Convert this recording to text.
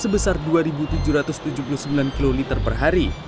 sebesar dua tujuh ratus tujuh puluh sembilan kiloliter per hari